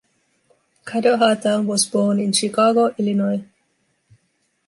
Kadohata was born in Chicago, Illinois.